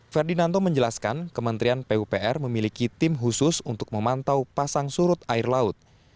ferdinando menjelaskan kementerian pupr memiliki tim khusus untuk memantau pasang surut air laut